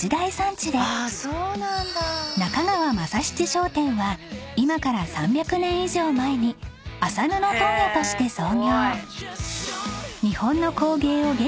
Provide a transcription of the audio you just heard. ［中川政七商店は今から３００年以上前に麻布問屋として創業］